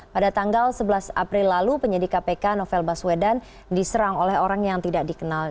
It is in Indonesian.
pada tanggal sebelas april lalu penyidik kpk novel baswedan diserang oleh orang yang tidak dikenal